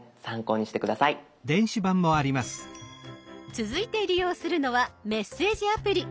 続いて利用するのはメッセージアプリ。